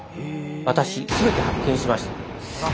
私すべて発見しました！